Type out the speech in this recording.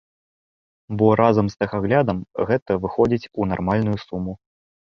Бо разам з тэхаглядам гэта выходзіць у нармальную суму.